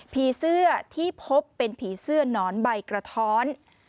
ผีเสื้อที่พบเป็นผีเสื้อหนอนใบกระท้อน